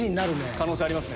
可能性ありますね。